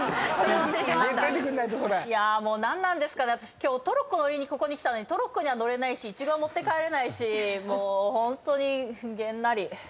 今日トロッコ乗りに来たのにトロッコには乗れないしイチゴは持って帰れないしもうホントにげんなり。